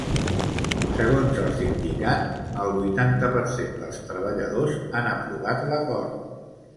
Segons el sindicat, el vuitanta per cent dels treballadors han aprovat l’acord.